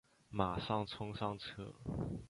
马上冲上车